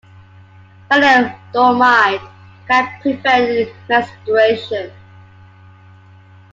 Thalidomide can prevent menstruation.